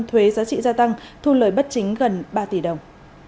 thuế giá trị gia tăng thu lời bất chính gần ba tỷ đồng